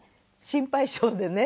心配性でね